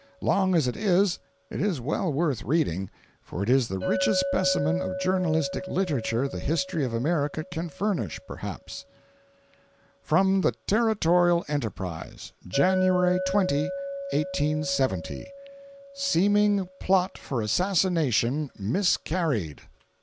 Long as it is, it is well worth reading, for it is the richest specimen of journalistic literature the history of America can furnish, perhaps:] From the Territorial Enterprise, Jan. 20, 1870. SEEMING PLOT FOR ASSASSINATION MISCARRIED.